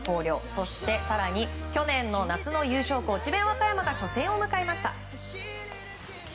そして、更に去年の夏の優勝校、智弁和歌山が初戦を迎えました。